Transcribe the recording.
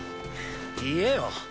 言えよ。